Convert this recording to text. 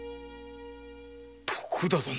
徳田殿！